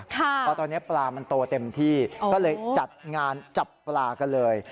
เพราะตอนนี้ปลามันโตเต็มที่ก็เลยจัดงานจับปลากันเลย